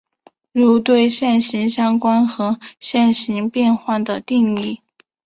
如对线性相关和线性变换的定义。